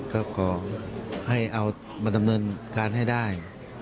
ก็ขอให้เอามาดำเนินการให้ได้